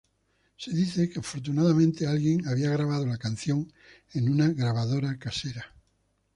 Se dice que, afortunadamente, alguien había grabado la canción en una grabadora casera.